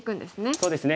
そうですね。